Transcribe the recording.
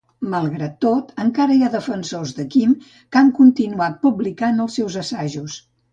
Malgrat tot, encara hi ha defensors de Kim que han continuat publicant els seus assajos.